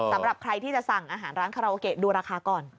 สำหรับใครที่จะสั่งอาหารร้านคาราโอเกะดูราคาก่อน